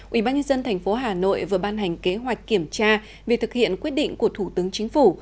ubnd tp hà nội vừa ban hành kế hoạch kiểm tra việc thực hiện quyết định của thủ tướng chính phủ